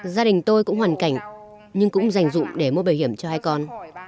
gia đình tôi cũng hoàn cảnh nhưng cũng dành dụng để mua bảo hiểm cho hai con